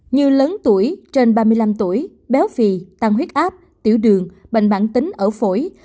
như lớn tuổi trên ba mươi năm tuổi béo phì tăng huyết áp tiểu đường bệnh bản tính ở phổi